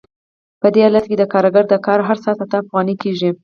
په دې حالت کې د کارګر د کار هر ساعت اته افغانۍ کېږي